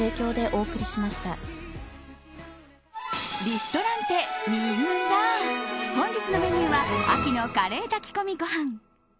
リストランテＭＩＵＲＡ本日のメニューは秋のカレー炊き込みご飯。